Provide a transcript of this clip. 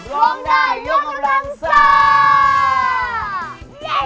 ร้องนายร่วงกำลังสาร